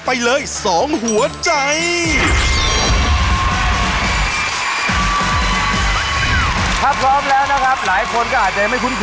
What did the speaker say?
โชคความแม่นแทนนุ่มในศึกที่๒กันแล้วล่ะครับ